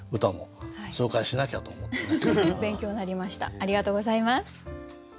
ありがとうございます。